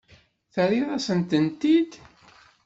Terriḍ-asent-tent-id?